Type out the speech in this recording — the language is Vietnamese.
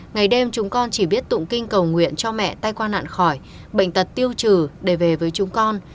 ngày đêm chúng con chỉ biết tụng kinh cầu nguyện cho mẹ tay qua nạn khỏi bệnh tật tiêu trừ để về với chúng con